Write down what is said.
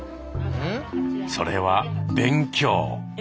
それは「勉強」。